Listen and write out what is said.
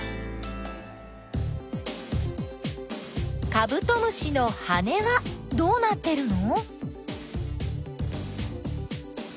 カブトムシの羽はどうなってるの？